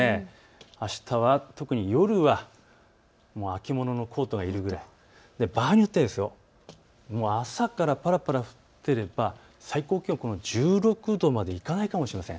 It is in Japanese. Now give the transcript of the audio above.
あしたは特に夜はもう秋物のコートがいるくらい、場合によっては朝からぱらぱら降って最高気温は１６度までいかないかもしれません。